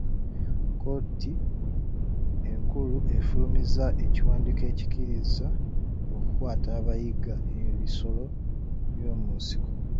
Kkooti enkulu efulumizza ekiwandiiko ekikkiriza okukwata abayigga ebisolo by'omu nsiko.